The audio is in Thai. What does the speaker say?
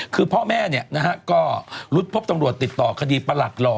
คือพ่อแม่ก็รุดพบตำรวจติดต่อคดีประหลักหล่อ